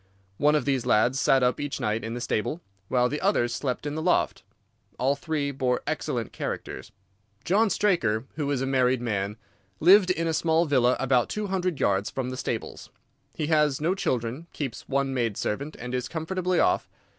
One of these lads sat up each night in the stable, while the others slept in the loft. All three bore excellent characters. John Straker, who is a married man, lived in a small villa about two hundred yards from the stables. He has no children, keeps one maid servant, and is comfortably off.